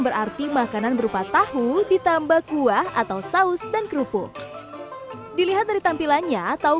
berarti makanan berupa tahu ditambah kuah atau saus dan kerupuk dilihat dari tampilannya tau